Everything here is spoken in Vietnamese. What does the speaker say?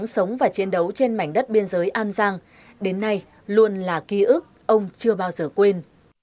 sống và chiến đấu trên mảnh đất biên giới an giang đến nay luôn là ký ức ông chưa bao giờ quên